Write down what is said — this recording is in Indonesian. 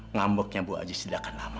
ngambeknya bu ajis tidak akan lama